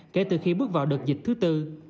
kể từ khi bước vào đợt dịch thứ tư